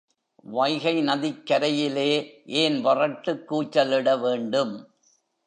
வைகை நதிக்கரையிலே ஏன் வறட்டுக் கூச்சலிட வேண்டும்?